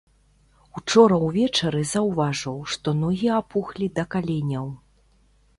Учора ўвечары заўважыў, што ногі апухлі да каленяў.